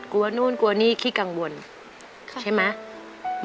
กลัวนู่นกลัวนี่ขี้กังวลใช่ไหม